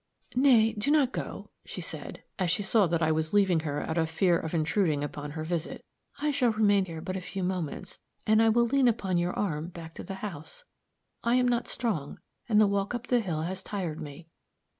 "Nay, do not go," she said, as she saw that I was leaving her out of fear of intruding upon her visit, "I shall remain here but a few moments, and I will lean upon your arm back to the house. I am not strong, and the walk up the hill has tired me.